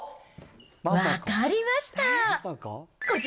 分かりました。